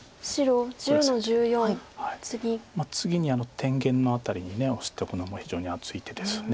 次に天元の辺りにオシておくのも非常に厚い手ですよね